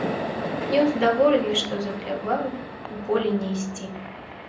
Ён здаволены, што за хлябаю ў поле не ісці.